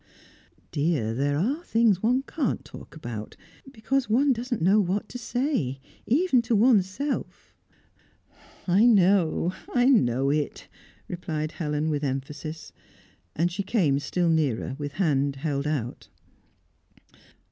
"Dear, there are things one can't talk about, because one doesn't know what to say, even to oneself." "I know! I know it!" replied Helen, with emphasis. And she came still nearer, with hand held out.